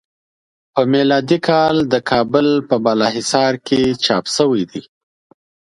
په میلادی کال د کابل په بالا حصار کې چاپ شوی دی.